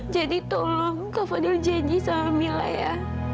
jadi tolong kak fadil janji sama mila ya